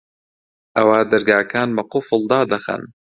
ئەوا دەرگاکان بە قوفڵ دادەخەن